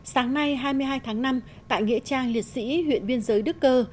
sáng nay hai mươi hai tháng năm tại nghĩa trang liệt sĩ huyện biên giới đức cơ